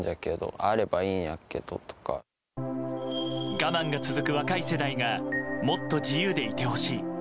我慢が続く若い世代がもっと自由でいてほしい。